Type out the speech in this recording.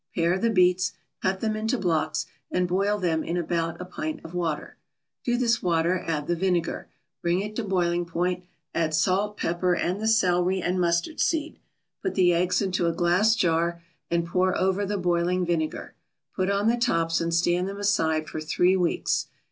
Pare the beets, cut them into blocks and boil them in about a pint of water. To this water add the vinegar, bring it to boiling point, add salt, pepper and the celery and mustard seed. Put the eggs into a glass jar and pour over the boiling vinegar; put on the tops and stand them aside for three weeks.